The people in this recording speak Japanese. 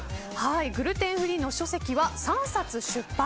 グルテンフリーの書籍は３冊出版。